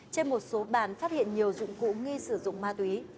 trên một số bàn phát hiện nhiều dụng cụ nghi sử dụng ma túy